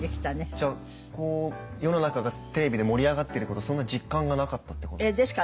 じゃあ世の中がテレビで盛り上がってることそんな実感がなかったってことですか？